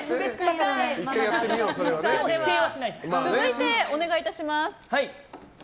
続いて、お願いいたします。